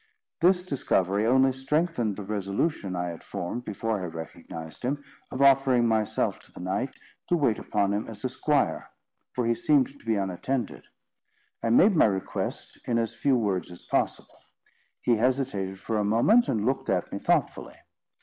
This discovery only strengthened the resolution I had formed, before I recognised him, of offering myself to the knight, to wait upon him as a squire, for he seemed to be unattended. I made my request in as few words as possible. He hesitated for a moment, and looked at me thoughtfully.